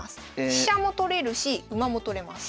飛車も取れるし馬も取れます。